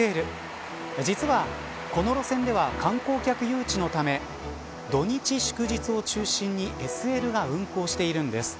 実は、この路線では観光客誘致のため土日祝日を中心にＳＬが運行しているんです。